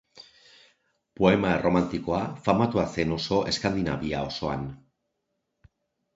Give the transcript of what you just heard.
Poema erromantikoa famatua zen oso Eskandinavia osoan.